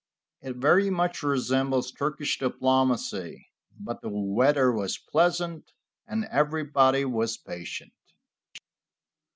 It very much resembles Turkish diplomacy. But the weather was pleasant, and everybody was patient.